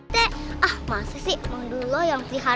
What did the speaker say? sampai jumpa di video selanjutnya